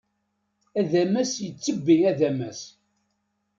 Adamas yettebbi adamas.